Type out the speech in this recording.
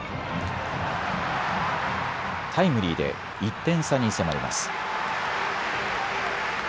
タイムリーで１点差に迫ります。